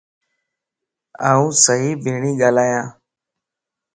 آن صحيح ٻيڻھي ڳالھائين